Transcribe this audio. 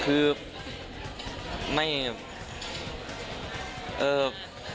คือไม่คิด